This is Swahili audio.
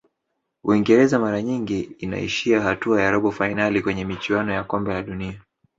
uingereza mara nyingi inaishia hatua ya robo fainali kwenye michuano ya kombe la dunia